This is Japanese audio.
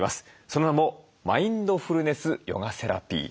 その名もマインドフルネス・ヨガセラピー。